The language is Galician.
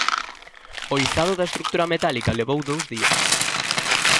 O izado da estrutura metálica levou dous días.